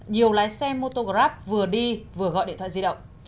nhiều lái xe mô tô grab vừa đi vừa gọi điện thoại di động